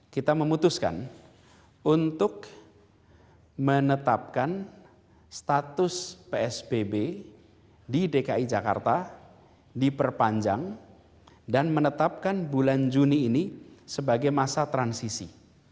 kita memutuskan untuk menetapkan status psbb di dki jakarta diperpanjang dan menetapkan bulan juni ini sebagai masa transisi